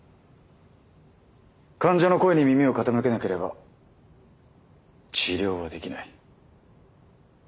患者の声に耳を傾けなければ治療はできない。